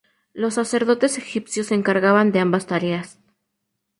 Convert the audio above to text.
Los sacerdotes egipcios se encargaban de ambas tareas.